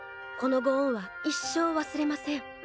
この御恩は一生忘れません。